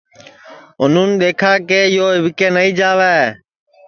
اُنون دیکھا کہ یو اِٻکے نائی جاوے